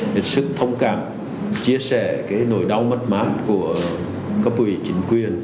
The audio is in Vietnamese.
thực sự thông cảm chia sẻ cái nỗi đau mất mát của cấp ủy chính quyền